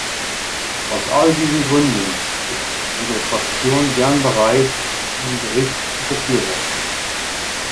Aus all diesen Gründen ist unsere Fraktion gern bereit, diesen Bericht zu befürworten.